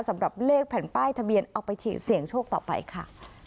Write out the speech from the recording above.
สำหรับเลขแผ่นป้ายทะเบียนเอาไปเสี่ยงโชคต่อไปค่ะ